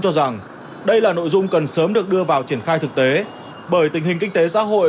cho rằng đây là nội dung cần sớm được đưa vào triển khai thực tế bởi tình hình kinh tế xã hội